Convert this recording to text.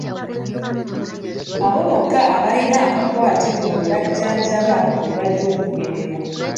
Abo bokka abalina akakwate ku be bajjanjaba be bajja okugemebwa.